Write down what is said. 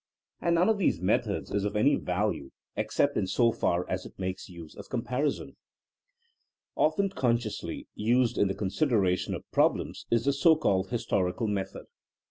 And none of these methods is of any value ex cept in so far as it makes use of comparison. Often consciously used in the consideration of problems is the so called historical method.